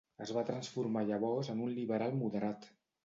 Es va transformar llavors en un liberal moderat.